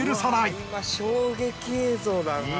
今衝撃映像だな。